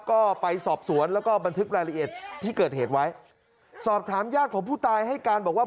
ก็ไปสอบสวนแล้วก็บันทึกรายละเอียดที่เกิดเหตุไว้สอบถามญาติของผู้ตายให้การบอกว่า